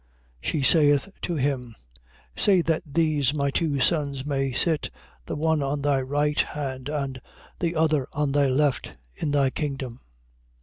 She saith to him: say that these my two sons may sit, the one on thy right hand, and the other on thy left, in thy kingdom.